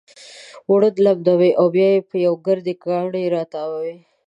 اوړه لمدوي او بيا يې پر يو ګردي کاڼي را تاووي.